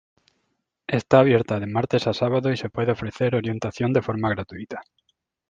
Está abierta de martes a sábado y se puede ofrecer orientación de forma gratuita.